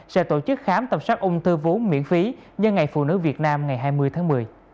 sẽ tổ chức khám tầm soát ung thư vốn miễn phí nhân ngày phụ nữ việt nam ngày hai mươi tháng một mươi